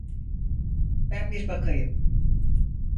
Ben bir bakayım.